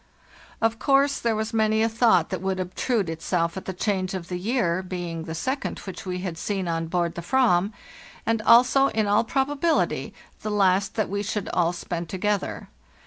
Of course there was many a thought that would obtrude itself at the change of the year, being the second which we had seen on board the "vam, and also, in all probability, the last that we should all spend together.